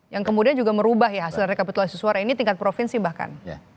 yang kemudian juga merubah ya hasil rekapitulasi suara ini tingkat provinsi bahkan